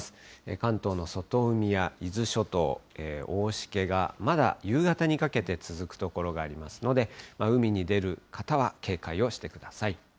関東の外海や伊豆諸島、大しけがまだ夕方にかけて続く所がありますので、海に出る方は警戒をしてください。